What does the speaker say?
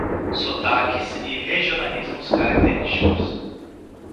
Sotaques e regionalismos característicos